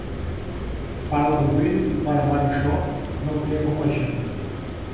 Para o governo e para o marranxó, não tenha compaixão.